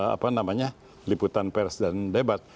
apa namanya liputan pers dan debat